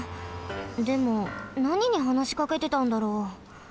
でもなににはなしかけてたんだろう？